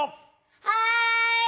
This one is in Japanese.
はい！